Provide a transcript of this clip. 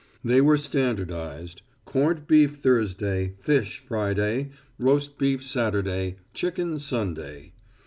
They were standardized corned beef Thursday, fish Friday, roast beef Saturday, chicken Sunday.